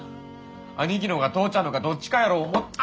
兄貴のか父ちゃんのかどっちかやろ思あ